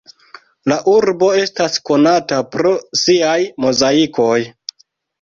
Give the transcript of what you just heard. La urbo estas konata pro siaj mozaikoj.